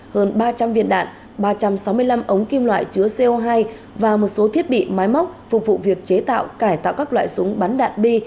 hơn ba trăm linh viên đạn ba trăm sáu mươi năm ống kim loại chứa co hai và một số thiết bị máy móc phục vụ việc chế tạo cải tạo các loại súng bắn đạn bi